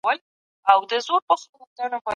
د مخدره توکو قاچاق د هېواد راتلونکی نه جوړوي.